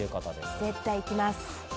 絶対行きます！